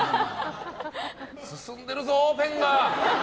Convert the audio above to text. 進んでるぞ、ペンが！